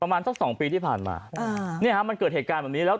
ประมาณสัก๒ปีที่ผ่านมามันเกิดเหตุการณ์แบบนี้